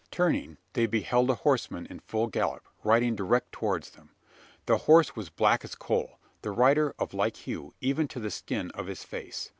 Turning, they beheld a horseman in full gallop riding direct towards them. The horse was black as coal: the rider of like hue, even to the skin of his face.